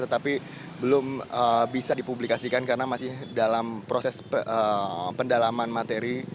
tetapi belum bisa dipublikasikan karena masih dalam proses pendalaman materi